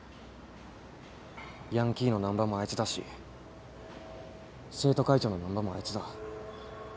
ヤンキーの難破もあいつだし生徒会長の難破もあいつだ。